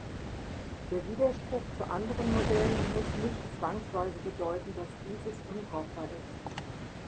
Der Widerspruch zu anderen Modellen muss nicht zwangsweise bedeuten, dass dieses unbrauchbar ist.